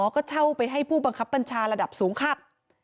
ก็เช่าไปให้ผู้บังคับบัญชาระดับสูงขับ